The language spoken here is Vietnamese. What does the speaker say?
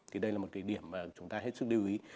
thì đây là một cái điểm mà chúng ta hết sức lưu ý